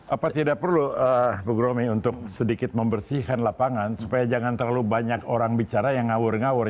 apa tidak perlu bu gromi untuk sedikit membersihkan lapangan supaya jangan terlalu banyak orang bicara yang ngawur ngawur